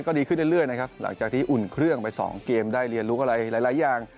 ก็ดีขึ้นเรื่อยนะครับหลังจากที่อุ่นเครื่องไปสองเกมได้เรียนรู้อะไรหลายอย่าง